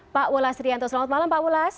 pak wolas rianto selamat malam pak wolas